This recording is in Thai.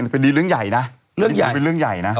เป็นอีกเรื่องใหญ่นะเอาวัยวะไปไหน